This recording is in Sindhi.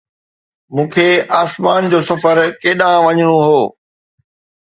مون کي آسمان جو سفر ڪيڏانهن وڃڻو هو؟